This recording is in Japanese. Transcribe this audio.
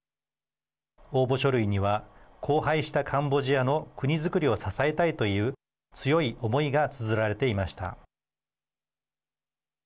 応募書類には荒廃したカンボジアの国づくりを支えたいという強い思いがつづられていました。